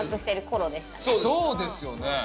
そうですよね。